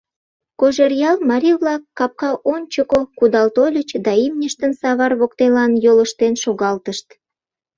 Кожеръял марий-влак капка ончыко кудал тольыч да имньыштым савар воктелан йолыштен шогалтышт.